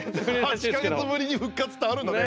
８か月ぶりに復活ってあるんだね。